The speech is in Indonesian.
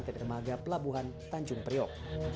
ke dermaga pelabuhan tanjung priok